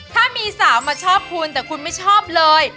ถ้ามีสาวมาชอบคุณแต่คุณไม่ชอบเลย